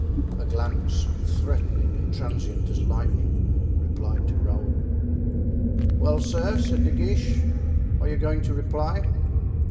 A glance, threatening and transient as lightning, replied to Raoul. "Well, sir," said De Guiche, "are you going to reply?"